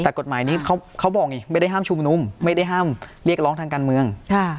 แต่กฎหมายนี้เขาบอกไงไม่ได้ห้ามชุมนุมไม่ได้ห้ามเรียกร้องทางการเมือง